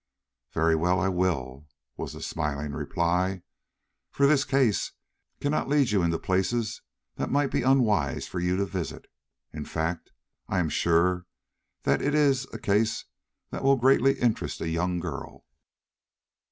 "Very well, I will," was the smiling reply, "for this case cannot lead you into places that might be unwise for you to visit. In fact, I am sure that it is a case that will greatly interest a young girl."